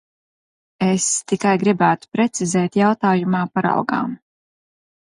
Es tikai gribētu precizēt jautājumā par algām.